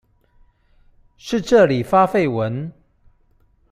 是這裡發廢文？